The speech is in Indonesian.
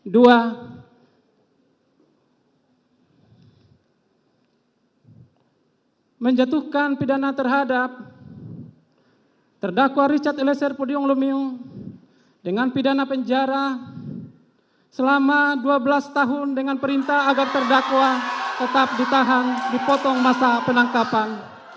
dua menjatuhkan pidana terhadap terdakwa richard eliezer pudiong lumio dengan pidana penjara selama dua belas tahun dengan perintah agar terdakwa tetap ditahan dipotong masa penangkapan